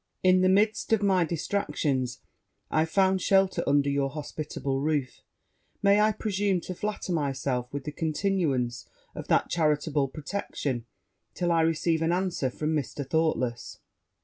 In the midst of my distractions, I found shelter under your hospitable roof; may I presume to flatter myself with the continuance of that charitable protection, till I receive an answer from Mr. Thoughtless?'